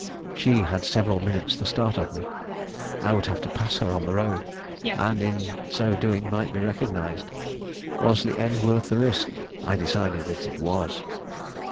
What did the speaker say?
She had several minutes the start of me; I would have to pass her on the road, and in so doing might be recognized. Was the end worth the risk? I decided that it was.